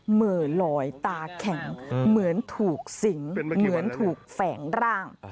เหมือลอยตาแข็งเหมือนถูกสิงเหมือนถูกแฝงร่าง